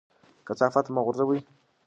کثافات مه غورځوئ.